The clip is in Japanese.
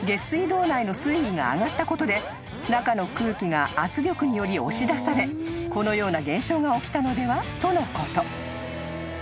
道内の水位が上がったことで中の空気が圧力により押し出されこのような現象が起きたのではとのこと］